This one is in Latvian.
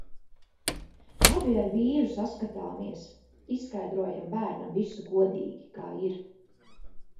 Abi ar vīru saskatāmies. Izskaidrojam bērnam visu godīgi, kā ir.